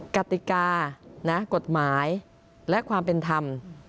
กติกากฎหมายและความเป็นธรรม